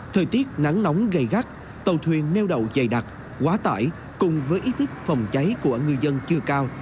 thời tiết nắng nóng gây gắt tàu thuyền neo đậu dày đặc quá tải cùng với ý thức phòng cháy của người dân chưa cao